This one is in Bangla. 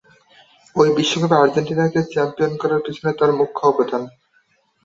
ওই বিশ্বকাপে আর্জেন্টিনাকে চ্যাম্পিয়ন করার পেছনে তার ছিল মুখ্য অবদান।